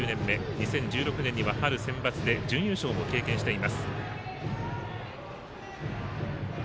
２０１６年には春センバツで準優勝を経験しています。